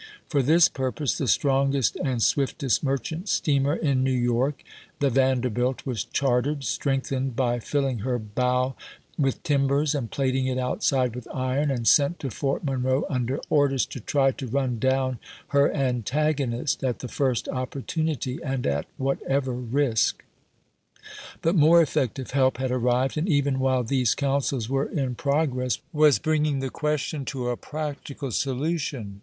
For this purpose the strongest and swiftest merchant steamer in New York, the Van derhilt, was chartered, strengthened by filling her bow with timbers and plating it outside with iron, and sent to Fort Monroe under orders to try to run down her antagonist, at the first opportunity, and at whatever risk. But more effective help had arrived, and even while these counsels were in pro gress, was bringing the question to a practical solution.